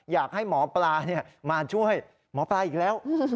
อยากให้หมอปลามาช่วยหมอปลาอีกแล้ว